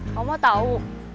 kamu mau tau